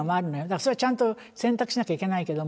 それはちゃんと選択しなきゃいけないけども。